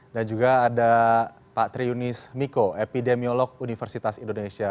dan juga ada pak triunis miko epidemiolog universitas indonesia